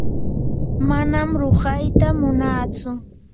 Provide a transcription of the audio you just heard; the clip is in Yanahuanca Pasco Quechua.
manam ruqayta munatsu.